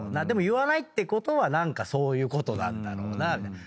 でも言わないってことは何かそういうことなんだろうな。